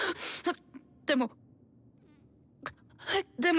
でもでも！